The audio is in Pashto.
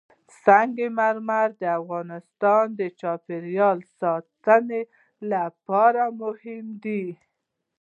سنگ مرمر د افغانستان د چاپیریال ساتنې لپاره مهم دي.